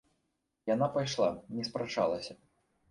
Яна пайшла, не спрачалася.